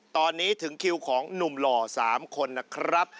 ตอนนี้ถึงคิวของหนุ่มหล่อ๓คนนะครับ